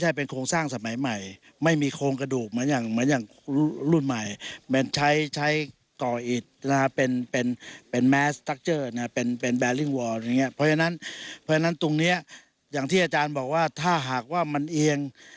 แต่นี่ลักษณะอย่างนี้ในเชิงวิทย